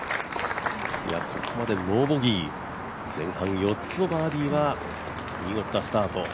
ここまでノーボギー、前半４つのバーディーは見事なスタート。